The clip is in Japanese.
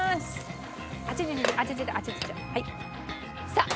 さあ。